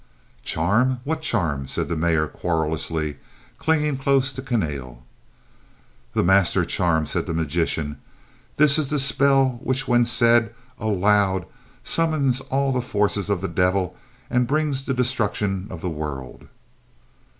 "Charm? What charm?" said the Mayor querulously, clinging dose to Kahnale. "The master charm," said the magician. "This is the spell which when said aloud summons all the forces of the devil and brings the destruction of the world."